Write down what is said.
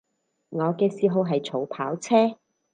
我嘅嗜好係儲跑車